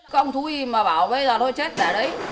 các ông thú y mà bảo bây giờ thôi chết đã đấy